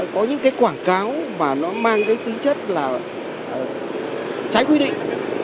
có những cái quảng cáo mà nó mang cái tính chất là trái quy định